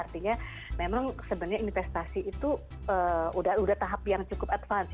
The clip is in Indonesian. artinya memang sebenarnya investasi itu sudah tahap yang cukup advance